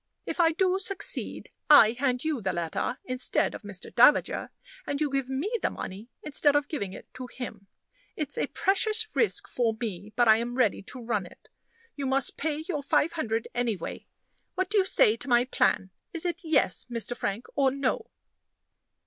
If I do succeed, I hand you the letter instead of Mr. Davager, and you give me the money instead of giving it to him. It's a precious risk for me, but I'm ready to run it. You must pay your five hundred any way. What do you say to my plan? Is it Yes, Mr. Frank, or No?"